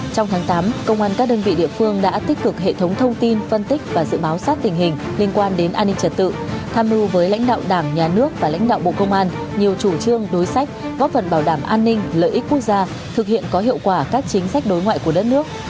trong tháng tám công an các đơn vị địa phương đã tích cực hệ thống thông tin phân tích và dự báo sát tình hình liên quan đến an ninh trật tự tham mưu với lãnh đạo đảng nhà nước và lãnh đạo bộ công an nhiều chủ trương đối sách góp phần bảo đảm an ninh lợi ích quốc gia thực hiện có hiệu quả các chính sách đối ngoại của đất nước